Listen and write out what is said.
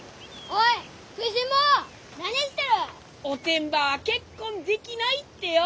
おてんばは結婚できないってよ！